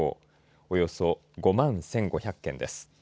およそ５万１５００件です。